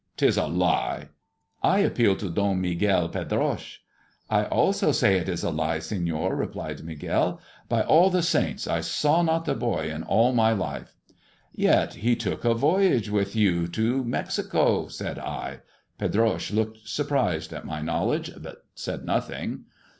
" 'Tis a lie !"" I appeal to Don Miguel Pedroche !" "I also say it is a lie, Senor," replied Miguel. "By all the saints, I saw not the boy in all my life." " Yet he took a voyage with you to Mexico 1 " said I. Pedroche looked surprised at my knowledge, but said nothing.